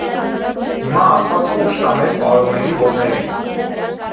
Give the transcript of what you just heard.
- Հիմա աստված ուժ տա մեր պարողների ոտներին.